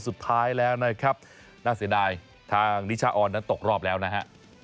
สุดท้ายแล้วนะครับน่าเสียดายทางนิชาออนนั้นตกรอบแล้วนะฮะ